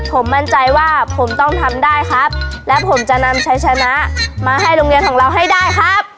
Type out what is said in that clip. ผมมั่นใจว่าผมต้องทำได้ครับและผมจะนำชัยชนะมาให้โรงเรียนของเราให้ได้ครับ